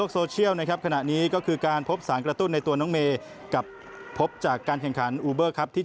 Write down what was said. สวัสดีครับ